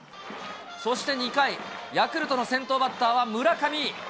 そして２回、ヤクルトの先頭バッターは村上。